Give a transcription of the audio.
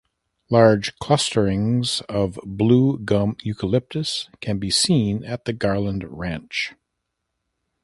Large clusterings of Blue Gum eucalyptus can be seen at the Garland Ranch.